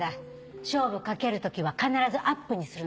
勝負懸ける時は必ずアップにするの。